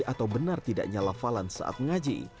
atau benar tidaknya lafalan saat mengaji